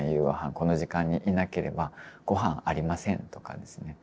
この時間にいなければごはんありませんとかですね。